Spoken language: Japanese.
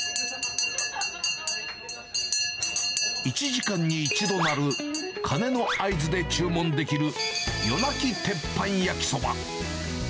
１時間に１度なる鐘の合図で注文できる、夜鳴き鉄板焼きそば。